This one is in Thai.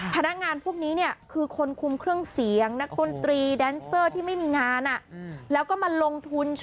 พนักงานพวกนี้เนี่ยคือคนคุมเครื่องเสียง